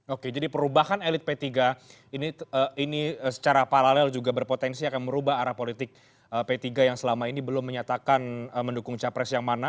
oke jadi perubahan elit p tiga ini secara paralel juga berpotensi akan merubah arah politik p tiga yang selama ini belum menyatakan mendukung capres yang mana